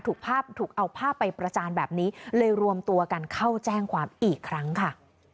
ถูกเอาภาพไปประจานแบบนี้เลยรวมตัวกันเข้าแจ้งความอีกครั้งค่ะ